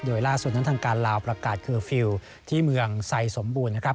โดยล่าสุดนั้นทางการลาวประกาศเคอร์ฟิลล์ที่เมืองไซสมบูรณ์นะครับ